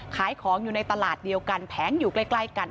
ขายของอยู่ในตลาดเดียวกันแผงอยู่ใกล้กัน